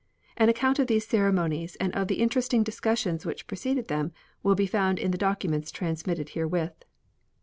An account of these ceremonies and of the interesting discussions which preceded them will be found in the documents transmitted herewith.